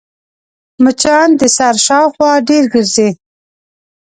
مچان د سر شاوخوا ډېر ګرځي